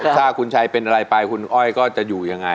ถ้าคุณชัยเป็นอะไรไปคุณอ้อยก็จะอยู่ยังไง